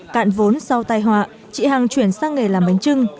cạn vốn sau tai họa chị hằng chuyển sang nghề làm bánh trưng